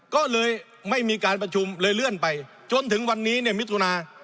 ก็เลยไม่มีการประชุมเลยเลื่อนไปจนถึงวันนี้เนี่ยมิถุนา